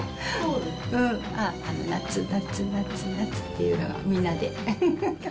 夏夏夏夏っていうのが、みんなで。